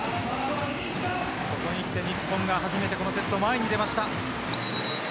ここにきて日本が初めてこのセット前に出ました。